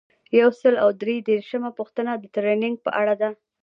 یو سل او درې دیرشمه پوښتنه د ټریننګ په اړه ده.